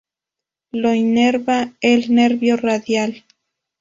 Lo inerva el nervio radial.